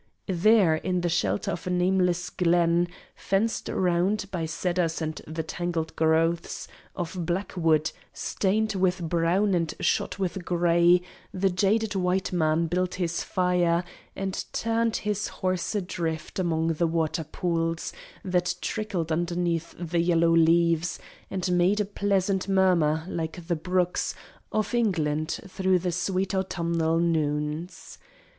There, in the shelter of a nameless glen, Fenced round by cedars and the tangled growths Of blackwood, stained with brown and shot with grey, The jaded white man built his fire, and turned His horse adrift amongst the water pools That trickled underneath the yellow leaves And made a pleasant murmur, like the brooks Of England through the sweet autumnal noons.